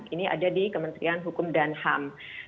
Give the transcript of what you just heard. ini ada di kementerian hukum dan ham